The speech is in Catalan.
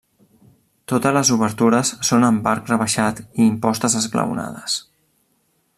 Totes les obertures són amb arc rebaixat i impostes esglaonades.